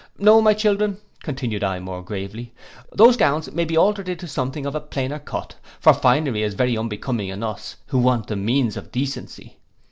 No, my children,' continued I, more gravely, 'those gowns may be altered into something of a plainer cut; for finery is very unbecoming in us, who want the means of decency.